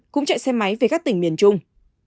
cũng chạy xe máy về các tỉnh miền trung